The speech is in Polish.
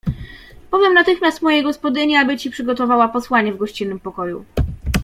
"Powiem natychmiast mojej gospodyni, aby ci przygotowała posłanie w gościnnym pokoju."